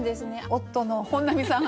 夫の本並さん